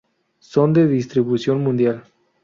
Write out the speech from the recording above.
Son de distribución mundial.